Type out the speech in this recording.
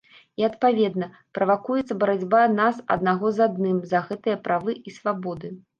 І, адпаведна, правакуецца барацьба нас аднаго з адным за гэтыя правы і свабоды.